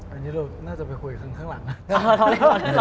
อันนี้เราน่าจะไปคุยอีกครั้งข้างหลังนะ